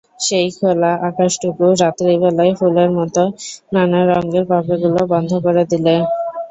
সেই খোলা আকাশটুকু, রাত্রিবেলায় ফুলের মতো, নানা রঙের পাপড়িগুলি বন্ধ করে দিলে।